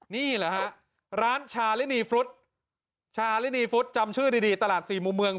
นี่แหละฮะร้านชาลินีฟรุดชาลินีฟุตจำชื่อดีตลาดสี่มุมเมือง